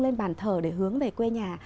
lên bàn thờ để hướng về quê nhà